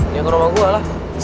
yang rumah gue lah